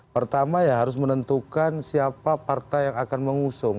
pertama ya harus menentukan siapa partai yang akan mengusung